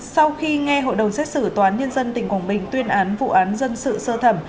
sau khi nghe hội đồng xét xử tòa án nhân dân tỉnh quảng bình tuyên án vụ án dân sự sơ thẩm